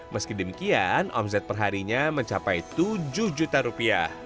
meski demikian omset perharinya mencapai tujuh juta rupiah